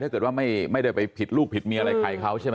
ถ้าเกิดว่าไม่ได้ไปผิดลูกผิดเมียอะไรใครเขาใช่ไหม